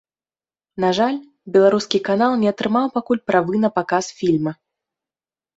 На жаль, беларускі канал не атрымаў пакуль правы на паказ фільма.